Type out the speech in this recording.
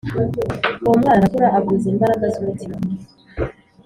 ‘‘Uwo mwana arakura, agwiza imbaraga z’umutima